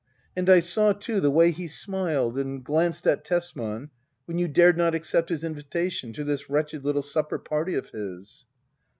And I saw, too, the way he smiled and glanced at Tesman when you dared not accept his invitation to this wretched little supper party of his.